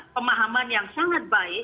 pemahaman yang sangat baik